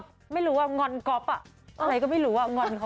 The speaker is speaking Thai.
เพราะเป็นแพทย์ขึ้นกัน